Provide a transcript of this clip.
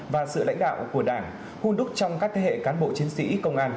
và sự lãnh đạo của đảng hôn đúc trong các thế hệ cán bộ chiến sĩ công an